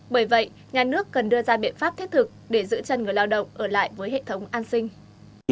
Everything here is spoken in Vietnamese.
bởi vậy nhà nước cần đưa ra biện pháp thiết thực để giữ chân người lao động ở lại với hệ thống an sinh